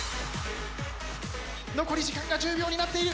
残り時間が１０秒になっている。